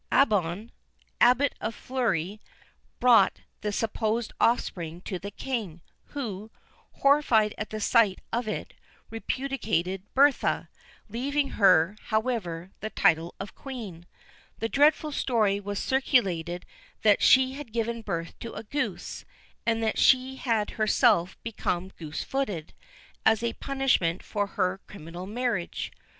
Abbon, Abbot of Fleury, brought the supposed offspring to the King, who, horrified at the sight of it, repudiated Bertha, leaving her, however, the title of Queen. The dreadful story was circulated that she had given birth to a goose, and that she had herself become goose footed, as a punishment for her criminal marriage.